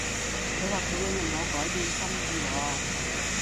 佢話佢會令我改變心意喎